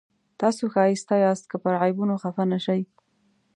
تاسو ښایسته یاست که پر عیبونو خفه نه شئ.